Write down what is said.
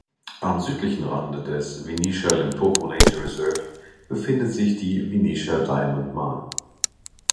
Am südlichen Rande des "Venetia Limpopo Nature Reserve" befindet sich die "Venetia Diamond Mine".